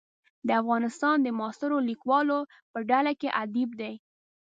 د افغانستان د معاصرو لیکوالو په ډله کې ادیب دی.